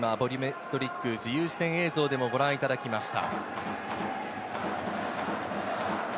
今、ボリュメトリックビデオ＝自由視点映像でも、ご覧いただきました。